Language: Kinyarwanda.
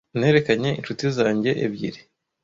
Nerekanye inshuti zanjye ebyiri